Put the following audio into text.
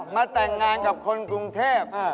มาแต่งงานกับคนกรุงเทพ